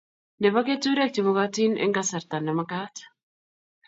Nebo keturek chemokotin eng kasarta ne magat